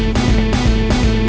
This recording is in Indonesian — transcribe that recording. udah bocan mbak